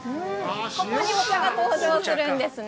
ここにお茶が登場するんですね？